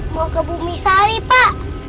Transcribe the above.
mau ke bumisari pak